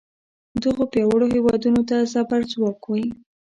دغو پیاوړو هیوادونو ته زبر ځواک وایي.